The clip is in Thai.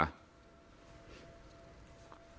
พี่สาวต้องเอาอาหารที่เหลืออยู่ในบ้านมาทำให้เจ้าหน้าที่เข้ามาช่วยเหลือ